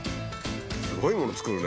すごいもの作るね。